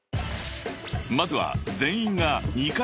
［まずは］